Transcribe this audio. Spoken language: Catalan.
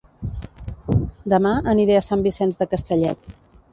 Dema aniré a Sant Vicenç de Castellet